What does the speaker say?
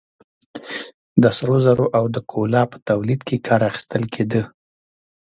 د سرو زرو او د کولا په تولید کې کار اخیستل کېده.